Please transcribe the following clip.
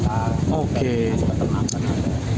dan juga keternafasnya